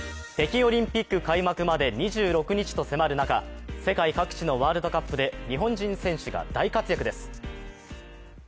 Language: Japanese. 北京オリンピック開幕まで２６日と迫る中世界各地のワールドカップで日本人選手が大活躍です。